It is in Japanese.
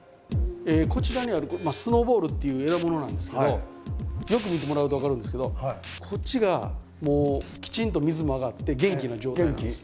こちらにあるスノーボールっていう枝ものなんですけどよく見てもらうと分かるんですけどこっちがきちんと水もあがって元気な状態なんです。